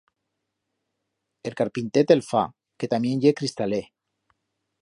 El carpinter te'l fa, que tamién ye cristaler.